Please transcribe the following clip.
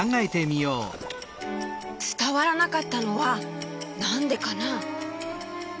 つたわらなかったのはなんでかな？